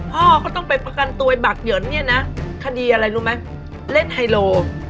พ่อเขาต้องไปประกันตัวบัตรเหยินนี้นะคดีอะไรรู้มั้ยเล่นเฮโร